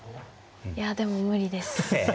いやでも無理です。え！